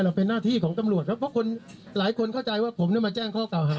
เป็นหน้าที่ของตำรวจครับเพราะคนหลายคนเข้าใจว่าผมมาแจ้งข้อเก่าหา